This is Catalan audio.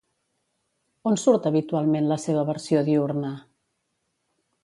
On surt habitualment la seva versió diürna?